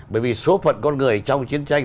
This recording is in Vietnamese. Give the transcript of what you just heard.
bởi vì số phận con người trong chiến tranh